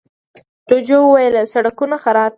جوجو وويل، سړکونه خراب دي.